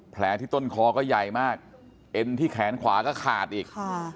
ที่ต้นคอก็ใหญ่มากเอ็นที่แขนขวาก็ขาดอีกค่ะ